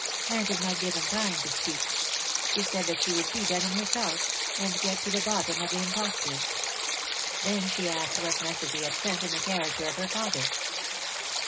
Anne did not give him time to speak. She said that she would see Denham herself, and get to the bottom of the imposture. Then she asked what message he had sent in the character of her father.